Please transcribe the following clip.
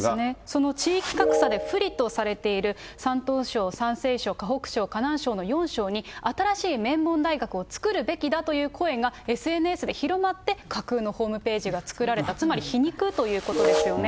その地域格差で不利とされている、山東省、山西省、河北省、河南省の４省に、新しい名門大学を作るべきだという声がＳＮＳで広まって、架空のホームページが作られた、つまり皮肉ということですよね。